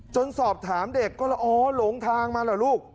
จนสอบถามเด็กก็ลองทางมาเหรอลูก